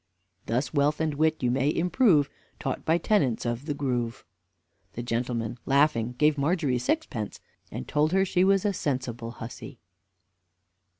"Thus wealth and wit you may improve. Taught by tenants of the grove." The gentleman, laughing, gave Margery sixpence, and told her she was a sensible hussy.